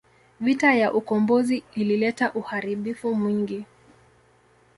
Vita ya ukombozi ilileta uharibifu mwingi.